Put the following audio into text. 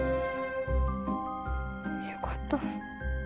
よかった。